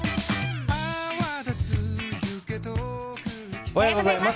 おはようございます。